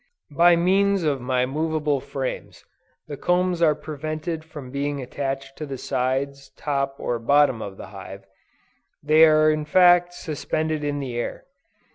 By means of my movable frames, the combs are prevented from being attached to the sides, top or bottom of the hive; they are in fact, suspended in the air.